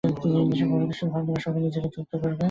তিনি দেশের প্রগতিশীল ভাবধারার সঙ্গে নিজেকে যুক্ত করেন।